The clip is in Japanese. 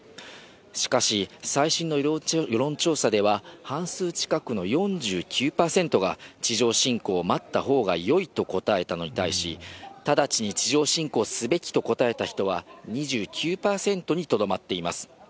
しかし最新の世論調査では、半数近くの４９％が、地上侵攻を待ったほうがよいと答えたのに対し、直ちに地上侵攻すべきと答えた人は２９％にとどまっています。